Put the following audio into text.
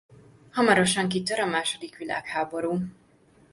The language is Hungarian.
Hamarosan kitör a második világháború.